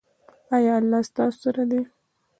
ایا الله ستاسو سره دی؟